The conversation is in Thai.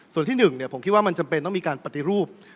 ส่วนที่๑ผมคิดว่ามันจำเป็นต้องมีการปฏิรูป